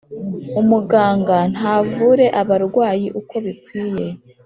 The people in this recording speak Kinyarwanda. umuganga ntavure abarwayi uko bikwiye